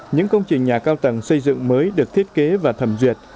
những công trình nhà cao tầng xây dựng mới được thiết kế và thẩm duyệt